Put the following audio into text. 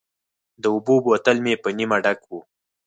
د اوبو بوتل مې په نیمه ډک و.